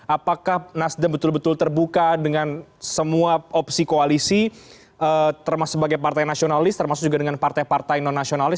apakah nasdem betul betul terbuka dengan semua opsi koalisi termasuk sebagai partai nasionalis termasuk juga dengan partai partai non nasionalis